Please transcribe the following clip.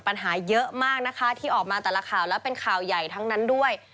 ปัญหาเยอะมากนะคะที่ออกมาแต่ละข่าวและเป็นข่าวใหญ่ทั้งนั้นด้วย